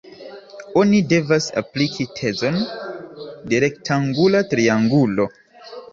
Oni devas apliki tezon de rektangula triangulo.